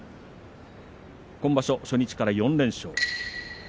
今場所、初日から４連勝。